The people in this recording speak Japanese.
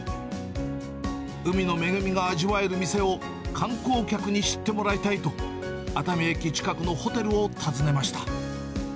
海の恵みが味わえる店を観光客に知ってもらいたいと、熱海駅近くのホテルを訪ねました。